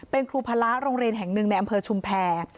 เป็นครูพระโรงเรียนแห่งหนึ่งในอำเภอชุมแพร